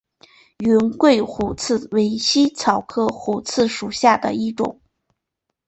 云桂虎刺为茜草科虎刺属下的一个种。